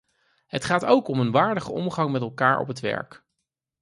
Het gaat ook om een waardige omgang met elkaar op het werk.